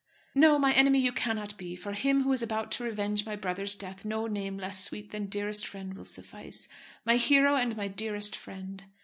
"No, my enemy you cannot be; for him who is about to revenge my brother's death no name less sweet than dearest friend will suffice. My hero and my dearest friend!"